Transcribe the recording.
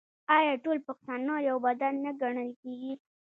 آیا ټول پښتانه یو بدن نه ګڼل کیږي؟